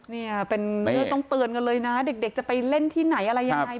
นี่ต้องเตือนกันเลยนะเด็กจะไปเล่นที่ไหนอะไรยังไง